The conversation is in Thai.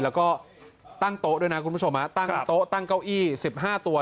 แล้วก็ตั้งโต๊ะด้วยนะคุณผู้ชมตั้งโต๊ะตั้งเก้าอี้๑๕ตัว